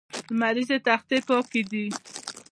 لمریزې تختې پاکې دي.